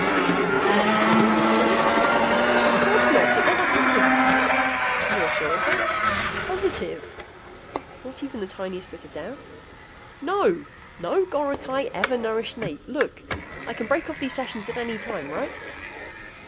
"You cannot recall the experience?" "Of course not. It never happened." "You are sure of that?" "Positive." "Not even the tiniest bit of doubt?" "No! No goricae ever nourished me. Look, I can break off these sessions at any time, right?"